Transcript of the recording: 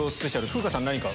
風花さん何か。